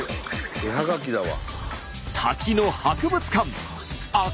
絵はがきだわ。